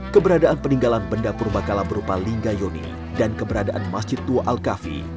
keberadaan peninggalan benda purba kalah berupa linggayoni dan keberadaan masjid tua al kahfi